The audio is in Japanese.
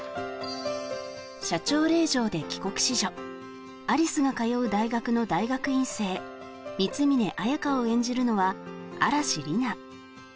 社長令嬢で帰国子女有栖が通う大学の光峯綾香を演じるのは嵐莉菜